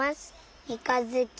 みかづき。